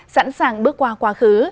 sẵn sàng bước qua quá khứ